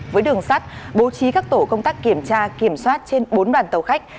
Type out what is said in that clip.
với đường sắt bố trí các tổ công tác kiểm tra kiểm soát trên bốn đoàn tàu khách